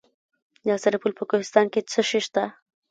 د سرپل په کوهستان کې څه شی شته؟